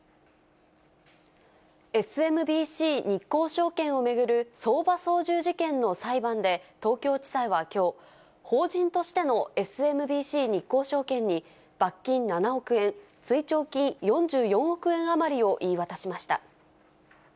ＳＭＢＣ日興証券を巡る相場操縦事件の裁判で、東京地裁はきょう、法人としてのＳＭＢＣ日興証券に罰金７億円、追徴金４４億円余りを言い渡しました。